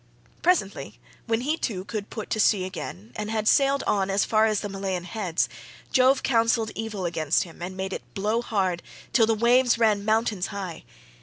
Presently, when he too could put to sea again, and had sailed on as far as the Malean heads, Jove counselled evil against him and made it blow hard till the waves ran mountains high.